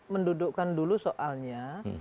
mendudukan dulu soalnya